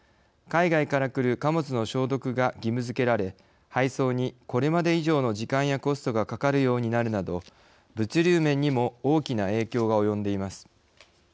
海外から来る貨物の消毒が義務づけられ配送にこれまで以上の時間やコストがかかるようになるなど物流面にも大きな影響が及んでいます。